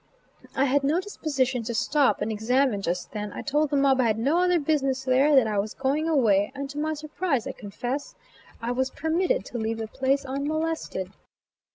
I had no disposition to stop and examine just then; I told the mob I had no other business there; that I was going away, and to my surprise, I confess, I was permitted to leave the place unmolested.